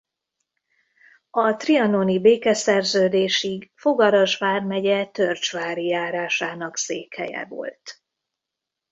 A trianoni békeszerződésig Fogaras vármegye Törcsvári járásának székhelye volt.